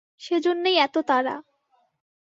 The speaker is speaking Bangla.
সেইজন্যেই এত তাড়া।